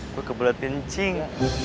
gue kebelet pincing